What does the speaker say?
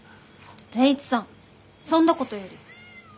善一さんそんなことより。